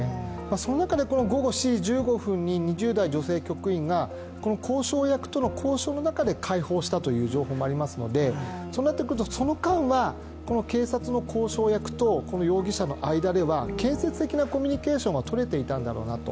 その中で午後７時１５分に２０代女性局員が交渉役との交渉の中で解放したという情報もありますのでその間は警察の交渉役と容疑者の間では建設的なコミュニケーションはとれていたんだろうなと。